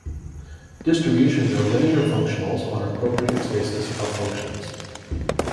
Distributions are linear functionals on appropriate spaces of functions.